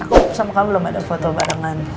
aku sama kamu belum ada foto barengan